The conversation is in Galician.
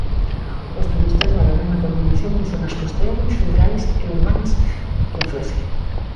Os turistas valoran a combinación de zonas costeiras, rurais e urbanas, que ofrece.